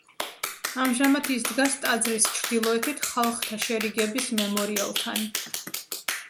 ამჟამად ის დგას ტაძრის ჩრდილოეთით „ხალხთა შერიგების“ მემორიალთან.